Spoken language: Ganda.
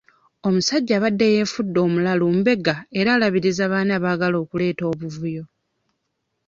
Omusajja abadde yeefudde omulalu mbega era alabiriza baani abaagala kuleeta buvuyo.